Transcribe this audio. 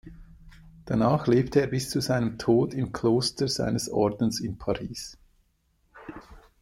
Danach lebte er bis zu seinem Tod im Kloster seines Ordens in Paris.